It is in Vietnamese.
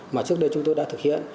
mà trước đây chúng tôi đã thực hiện